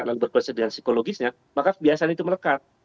yang berkoneksi dengan psikologisnya maka kebiasaan itu melekat